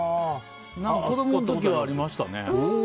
子供の時はありましたね。